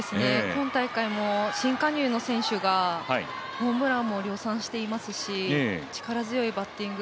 今大会も新加入の選手がホームランも量産していますし力強いバッティング。